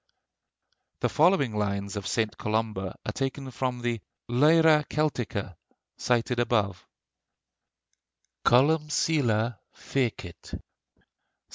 The following lines of St. Columba are taken from the 'Lyra Celtica,' cited above: COLUMCILLE FECIT (ST.